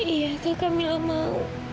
iya itu yang kamu mau